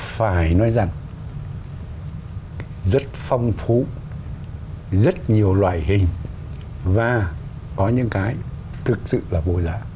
phải nói rằng rất phong phú rất nhiều loại hình và có những cái thực sự là vô giá